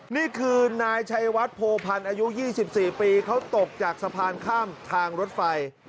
นี่คือนายชัยวัดโพพันธ์อายุ๒๔ปีเขาตกจากสะพานข้ามทางรถไฟ